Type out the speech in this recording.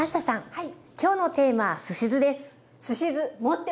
はい。